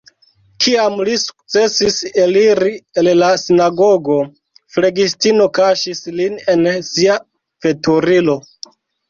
Kiam li sukcesis eliri el la sinagogo, flegistino kaŝis lin en sia veturilo.